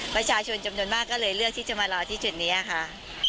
ประชาชนจำนวนมากก็เลยเลือกที่จะมารอที่จุดนี้ค่ะ